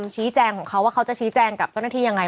ชี้แจงของเขาว่าเขาจะชี้แจงกับเจ้าหน้าที่ยังไง